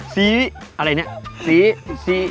สีอะไรเนี่ย